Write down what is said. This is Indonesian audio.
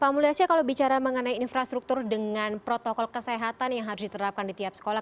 pak mulyasha kalau bicara mengenai infrastruktur dengan protokol kesehatan yang harus diterapkan di tiap sekolah